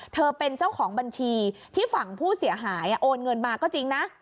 เธอเป็นเจ้าของบัญชีที่ฝั่งผู้เสียหายโอนเงินมาก็จริงนะ